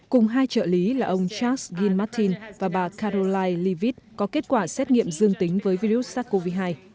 cùng hai trợ lý là ông charles gilmartin và bà caroline leavitt có kết quả xét nghiệm dương tính với virus sars cov hai